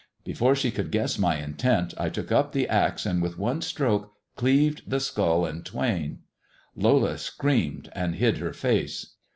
Before she could guess my intent, I took up the axe and with one stroke cleaved the skull in twain. Lola screamed and hid her face.